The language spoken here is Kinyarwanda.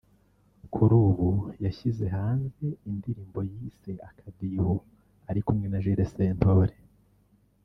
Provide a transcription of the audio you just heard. Kuri ubu yashyize hanze indirimbo yise “Akadiho” ari kumwe na Jules Sentore